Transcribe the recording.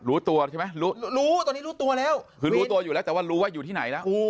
รู้ตัวใช่ไหมรู้ตัวแล้วรู้ตัวอยู่แล้วแต่ว่ารู้ว่าอยู่ที่ไหนแล้ว